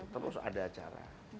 terus ada acara